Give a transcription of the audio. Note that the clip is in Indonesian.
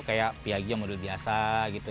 kayak piagam yang biasa gitu